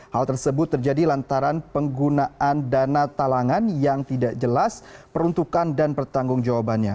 hal tersebut terjadi lantaran penggunaan dana talangan yang tidak jelas peruntukan dan pertanggung jawabannya